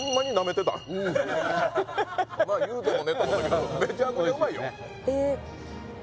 まあ言うてもねと思ったけどめちゃくちゃうまいよおいしいよね